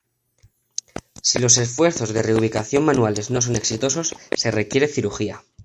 Si los esfuerzos de reubicación manuales no son exitosos, se requiere cirugía.